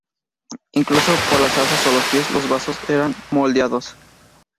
Incluso por las asas o los pies, los vasos eran moldeados.